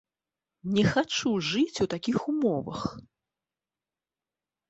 Не хачу жыць у такіх умовах.